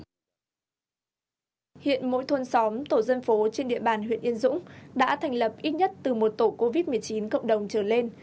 hiện mỗi thôn xóm tổ dân phố trên địa bàn huyện yên dũng đã thành lập ít nhất từ một tổ covid một mươi chín cộng đồng trở lên